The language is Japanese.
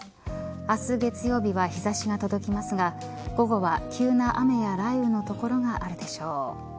明日、月曜日は日差しが届きますが午後は急な雨や雷雨の所があるでしょう。